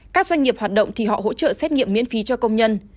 các doanh nghiệp hoạt động thì họ hỗ trợ xét nghiệm miễn phí cho công nhân